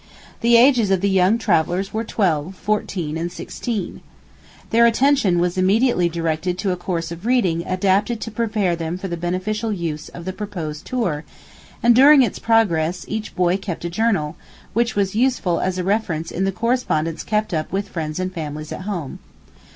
The ages of the young travelers were twelve, fourteen, and sixteen. Their attention was immediately directed to a course of reading adapted to prepare them for the beneficial use of the proposed tour; and during its progress each boy kept a journal, which was useful as a reference in the correspondence kept up with friends and families at home.